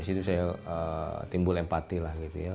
di situ saya timbul empati lah gitu ya